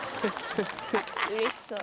うれしそう。